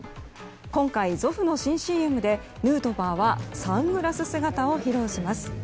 今回、Ｚｏｆｆの新ＣＭでヌートバーはサングラス姿を披露します。